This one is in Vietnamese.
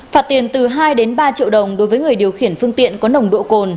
phạt tiền từ hai ba triệu đồng đối với người điều khiển phương tiện có nồng độ cồn